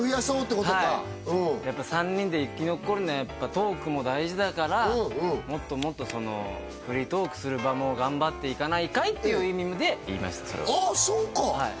うんはいやっぱ３人で生き残るのはトークも大事だからもっともっとフリートークする場も頑張っていかないかい？っていう意味で言いました